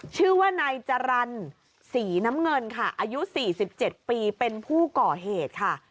ชื่อว่านายจรรย์สีน้ำเงินค่ะอายุ๔๗ปีเป็นผู้ก่อเหตุค่ะ